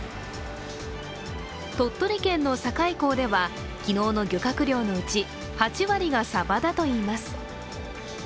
鳥取県の境港では昨日の漁獲量のうち、８割がさばだといいます。